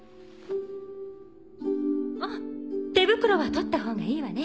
あっ手袋は取ったほうがいいわね。